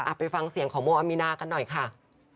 ไปฟังเสียงของโมอามีนากันหน่อยค่ะ